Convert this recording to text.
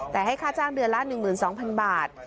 แต่ให้ค่าจ้างเดือนละ๑๒๐๐๐บาท